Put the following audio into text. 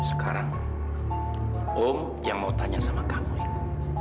sekarang om yang mau tanya sama kamu itu